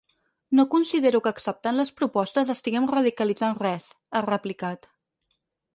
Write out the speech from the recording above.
No considero que acceptant les propostes estiguem radicalitzant res, ha replicat.